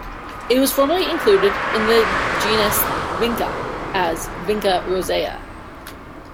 It was formerly included in the genus "Vinca" as "Vinca rosea".